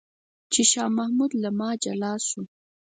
چې شاه محمود له ما جلا شو.